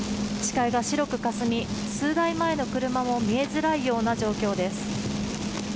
視界が白くかすみ、数台前の車も見えづらいような状況です。